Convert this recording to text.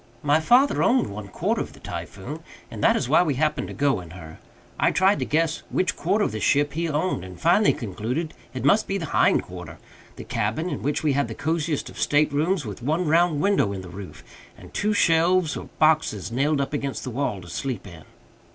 My father owned one quarter of the Typhoon, and that is why we happened to go in her. I tried to guess which quarter of the ship he owned, and finally concluded it must be the hind quarter the cabin, in which we had the cosiest of state rooms, with one round window in the roof, and two shelves or boxes nailed up against the wall to sleep in.